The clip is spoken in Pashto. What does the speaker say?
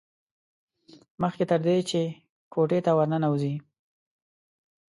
مخکې تر دې چې کوټې ته ور ننوځي.